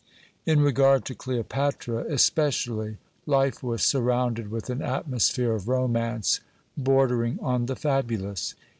In regard to Cleopatra, especially, life was surrounded with an atmosphere of romance bordering on the fabulous.